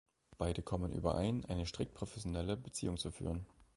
Beide kommen überein, eine strikt professionelle Beziehung zu führen.